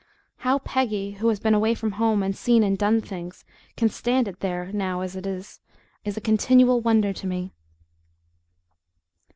How Peggy, who has been away from home and seen and done things, can stand it there now as it is, is a continual wonder to me.